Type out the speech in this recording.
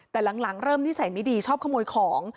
แต่หลังเริ่มนิสัยไม่ดีชอบขโมยของ